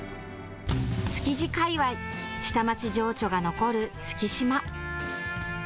築地界隈、下町情緒が残る月島。